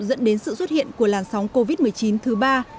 dẫn đến sự xuất hiện của làn sóng covid một mươi chín thứ ba